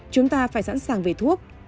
chúng ta phải sẵn sàng về thuốc